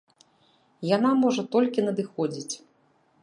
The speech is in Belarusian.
Яна можа толькі надыходзіць.